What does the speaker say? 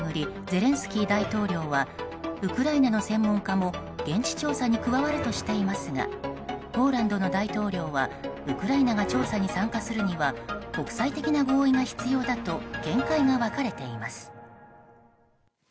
ゼレンスキー大統領はウクライナの専門家も現地調査に加わるとしていますがポーランドの大統領はウクライナが調査に参加するには国際的な合意が必要だと見解が分かれています。